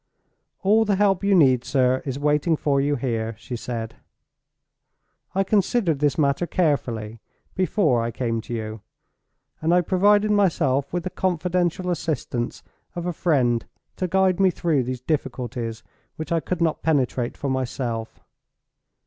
"All the help you need, sir, is waiting for you here," she said. "I considered this matter carefully before I came to you; and I provided myself with the confidential assistance of a friend to guide me through those difficulties which I could not penetrate for myself.